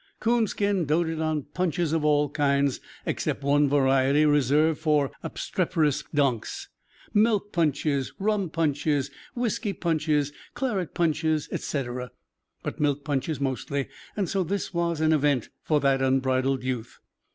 Coonskin doted on punches of all kinds (except one variety reserved for obstreperous donks), milk punches, rum punches, whiskey punches, claret punches, etc., but milk punches mostly, and so this was an event for that unbridled youth.